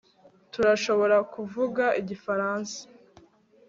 Turashobora kuvuga Igifaransa